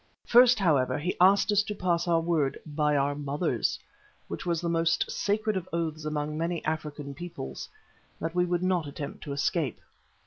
First, however, he asked us to pass our word "by our mothers," which was the most sacred of oaths among many African peoples, that we would not attempt to escape.